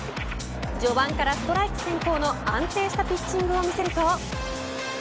序盤からストライク先行の安定したピッチングを見せると。